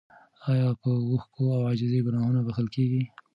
ایا په اوښکو او عاجزۍ ګناهونه بخښل کیږي؟